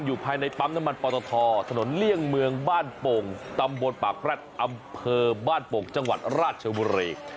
อยู่ในปั๊มน้ำมันปอตทถนนเลี่ยงเมืองบ้านโป่งตำบลปากแร็ดอำเภอบ้านโป่งจังหวัดราชบุรี